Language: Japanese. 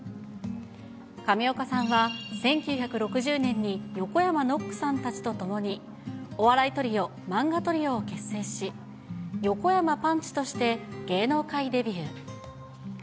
上岡さんは１９６０年に、横山ノックさんたちと共に、お笑いトリオ、漫画トリオを結成し、横山パンチとして芸能界デビュー。